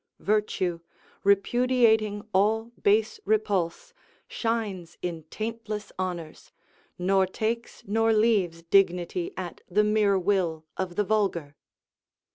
["Virtue, repudiating all base repulse, shines in taintless honours, nor takes nor leaves dignity at the mere will of the vulgar."